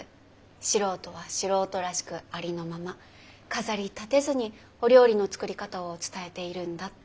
素人は素人らしくありのまま飾りたてずにお料理の作り方を伝えているんだって。